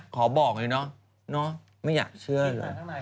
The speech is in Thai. ขอบอกเลยเนอะเนอะไม่อยากเชื่อเลย